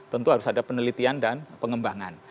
tentu harus ada penelitian dan pengembangan